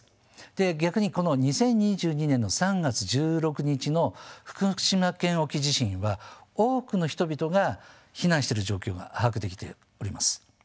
で逆にこの２０２２年の３月１６日の福島県沖地震は多くの人々が避難してる状況が把握できております。